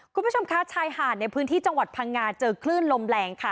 คุณผู้ชมคะชายหาดในพื้นที่จังหวัดพังงาเจอคลื่นลมแรงค่ะ